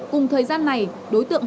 cùng thời gian này đối tượng